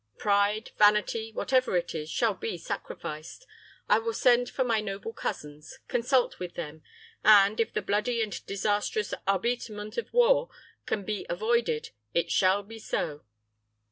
Pride, vanity, whatever it is, shall be sacrificed. I will send for my noble cousins, consult with them, and, if the bloody and disastrous arbitrement of war can be avoided, it shall be so.